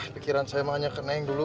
pikiran saya mah hanya ke neng dulu